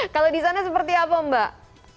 kalau di sana seperti apa mbak